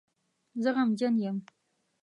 زه غمجن یم